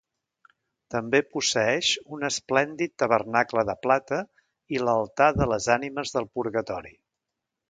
També posseeix un esplèndid tabernacle de plata i l'altar de les Ànimes del Purgatori.